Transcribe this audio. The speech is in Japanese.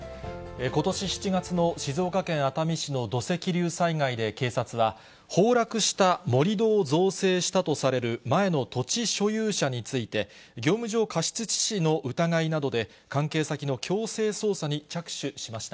ことし７月の静岡県熱海市の土石流災害で、警察は、崩落した盛り土を造成したとされる前の土地所有者について、業務上過失致死の疑いなどで関係先の強制捜査に着手しました。